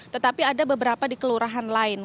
tetapi ada beberapa di kelurahan lain